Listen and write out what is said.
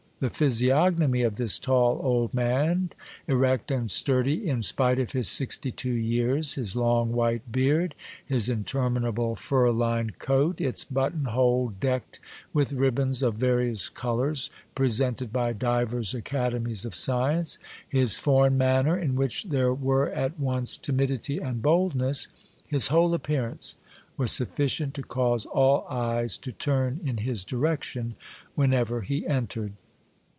The physiog nomy of this tall old man, erect and sturdy in spite of his sixty two years, his long white beard, his interminable fur lined coat, its button hole decked with ribbons of various colors presented by divers academies of science, his foreign manner, in which The Blind Emperor. 305 there were at once timidity and boldness, his whole appearance was sufficient to cause all eyes to turn in his direction whenever he entered.